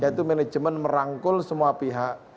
yaitu manajemen merangkul semua pihak